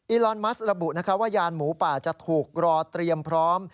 ลอนมัสระบุว่ายานหมูป่าจะถูกรอเตรียมพร้อม